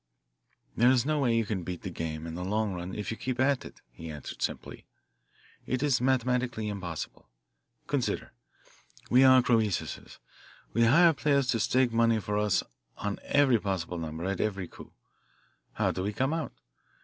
"There is no way you can beat the game in the long run if you keep at it," he answered simply. "It is mathematically impossible. Consider. We are Croesuses we hire players to stake money for us on every possible number at every coup. How do we come out?